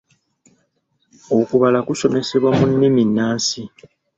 Okubala kusomesebwa mu nnimi nnansi.